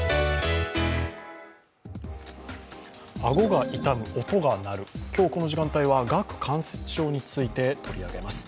顎が痛む、音が鳴る、今日この時間帯は顎関節症について取り上げます。